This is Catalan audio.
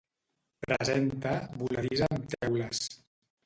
Presenta voladís amb teules.